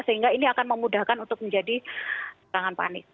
sehingga ini akan memudahkan untuk menjadi tangan panik